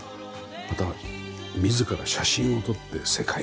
また自ら写真を撮って世界。